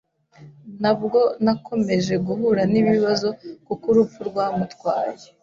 nabwo nakomeje guhura n’ibibazo kuko urupfu rwamutwaye